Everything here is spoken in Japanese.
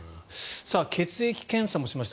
血液検査もしました。